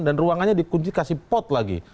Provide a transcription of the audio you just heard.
dan ruangannya dikunci kasih pot lagi